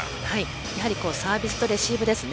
やはりサービスとレシーブですね。